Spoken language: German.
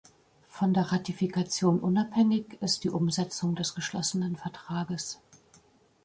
Von der Ratifikation unabhängig ist die Umsetzung des geschlossenen Vertrages.